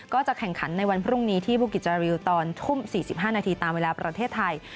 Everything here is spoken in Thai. ก็จะแข่งขันในวันพรุ่งนี้ที่บุกิจจาริวตอนทุ่ม๔๕นาทีตามเวลาประเทศไทย